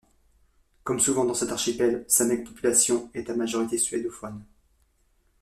Comme souvent dans cet archipel, sa maigre population est à majorité suédophone.